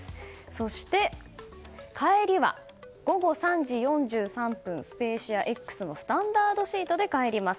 そして、帰りは午後３時４３分「スペーシアＸ」のスタンダードシートで帰ります。